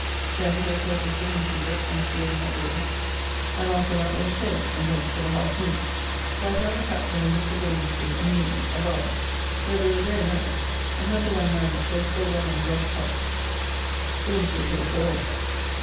Then wrote letters to Hinchinbroke and sealed them at Will's, and after that went home, and thence to the Half Moon, where I found the Captain and Mr. Billingsly and Newman, a barber, where we were very merry, and had the young man that plays so well on the Welsh harp. Billingsly paid for all.